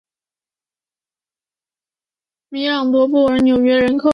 米朗多布尔纽纳人口变化图示